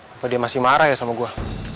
apa dia masih marah ya sama gue